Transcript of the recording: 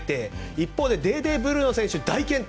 一方でデーデー・ブルーノ選手は大健闘。